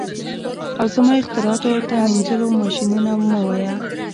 او زما اختراعاتو ته مینځلو ماشینونه مه وایه